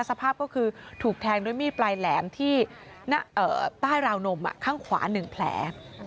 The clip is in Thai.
สภาพก็คือถูกแทงด้วยมีดปลายแหลมที่ใต้ราวนมข้างขวา๑แผล